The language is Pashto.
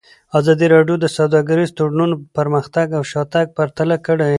ازادي راډیو د سوداګریز تړونونه پرمختګ او شاتګ پرتله کړی.